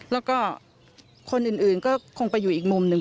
แล้วก็คนอื่นก็คงไปอยู่อีกมุมหนึ่ง